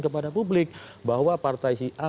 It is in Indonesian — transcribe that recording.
kepada publik bahwa partai si a